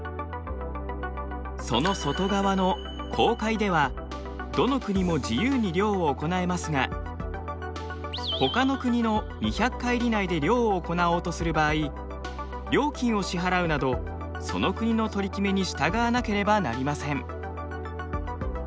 その外側の公海ではどの国も自由に漁を行えますがほかの国の２００海里内で漁を行おうとする場合料金を支払うなどその国の取り決めに従わなければなりません。